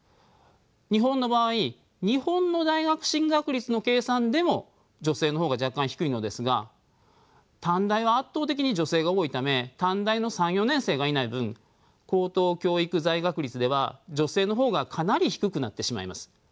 日本の場合日本の大学進学率の計算でも女性の方が若干低いのですが短大は圧倒的に女性が多いため短大の３４年生がいない分高等教育在学率では女性の方がかなり低くなってしまいます。